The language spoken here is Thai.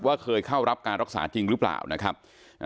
เคยเข้ารับการรักษาจริงหรือเปล่านะครับ